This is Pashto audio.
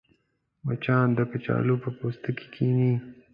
مچان د کچالو پر پوستکي کښېني